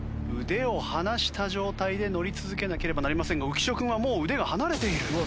腕を離した状態で乗り続けなければなりませんが浮所君はもう腕が離れている。